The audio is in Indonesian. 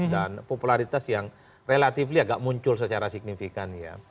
dan popularitas yang relatifnya tidak muncul secara signifikan ya